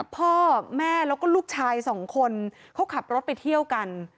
พ่อแม่แล้วก็ลูกชายสองคนเขาขับรถไปเที่ยวกัน